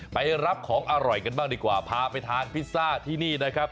ไปรับของอร่อยกันบ้างดีกว่าพาไปทานพิซซ่าที่นี่นะครับ